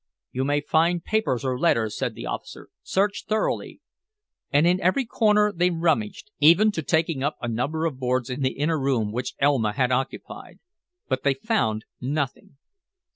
"You may find papers or letters," said the officer. "Search thoroughly." And in every corner they rummaged, even to taking up a number of boards in the inner room which Elma had occupied. But they found nothing.